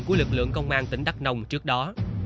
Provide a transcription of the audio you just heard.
của lực lượng công an tỉnh đắk nông trước đó